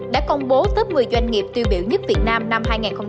đã công bố tớp một mươi doanh nghiệp tiêu biểu nhất việt nam năm hai nghìn hai mươi hai